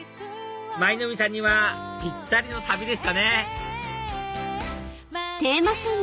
舞の海さんにはぴったりの旅でしたね！